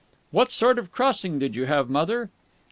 "What sort of crossing did you have, mother?"